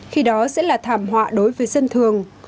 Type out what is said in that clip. khi đó sẽ là thảm họa đối với dân thường